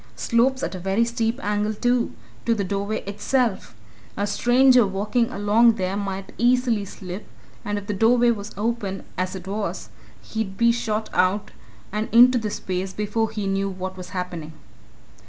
Slopes at a very steep angle, too, to the doorway itself. A stranger walking along there might easily slip, and if the door was open, as it was, he'd be shot out and into space before he knew what was happening."